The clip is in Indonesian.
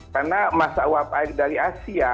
karena masa uap air dari asia